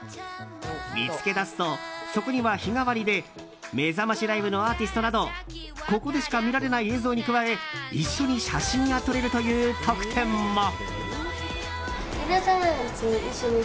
見つけ出すとそこには日替わりでめざましライブのアーティストなどここでしか見られない映像に加え一緒に写真が撮れるという特典も。